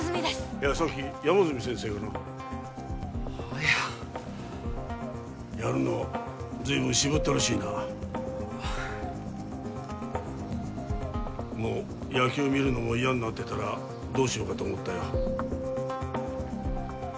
いやさっき山住先生がな早やるのずいぶん渋ったらしいなあもう野球見るのも嫌になってたらどうしようかと思ったよ